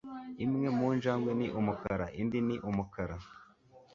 Imwe mu njangwe ni umukara, indi ni umukara.